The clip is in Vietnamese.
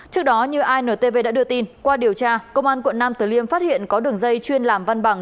trước đó như intv đã đưa tin qua điều tra công an quận nam tử liêm phát hiện có đường dây chuyên làm văn bằng